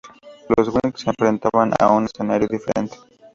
Los whigs se enfrentaban a un escenario diferente.